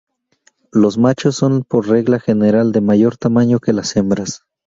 Los machos son por regla general de mayor tamaño que las hembras.